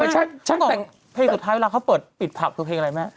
เมื่อกี๊สุดท้ายเวลาเขาเปิดปิดผับคือเพลงอะไรไหม